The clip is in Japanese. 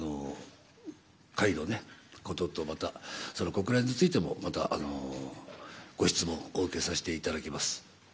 会のことと国連についても、ご質問をお受けさせていただきます。